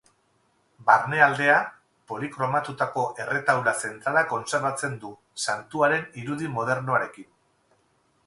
Barnealdea, polikromatutako erretaula zentrala kontserbatzen du, santuaren irudi modernoarekin.